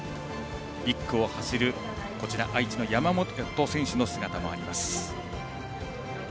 １区を走る愛知の山本選手の姿もあります。